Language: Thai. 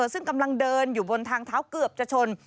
ซึ่งกำลังเดินอยู่บนทางเท้าเกือบจะชน